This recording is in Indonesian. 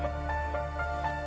jangan lupa untuk berlangganan